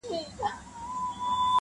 چي په تیاره کي عدالت غواړي -